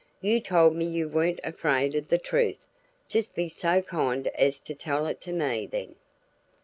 You told me you weren't afraid of the truth. Just be so kind as to tell it to me, then.